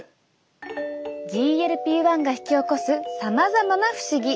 ＧＬＰ−１が引き起こすさまざまな不思議。